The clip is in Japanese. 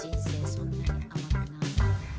そんなに甘くないの。